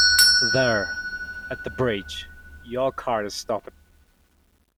There — at the bridge — your car is stopped.